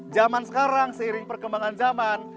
zaman sekarang seiring perkembangan zaman